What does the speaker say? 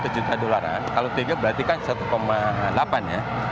satu juta dolaran kalau tiga berarti kan satu delapan ya